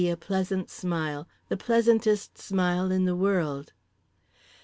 a pleasant smile, the pleasantest smile in the world.